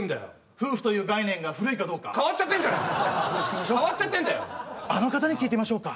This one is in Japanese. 夫婦という概念が古いかどうか変わっちゃってんじゃんはい落ち着きましょうあの方に聞いてみましょうか？